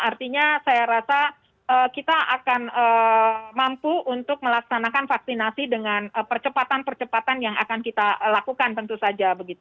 artinya saya rasa kita akan mampu untuk melaksanakan vaksinasi dengan percepatan percepatan yang akan kita lakukan tentu saja